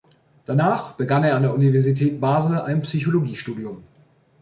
Danach begann er an der Universität Basel ein Psychologie-Studium.